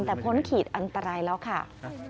แต่พ้นขีดอันตรายแล้วค่ะ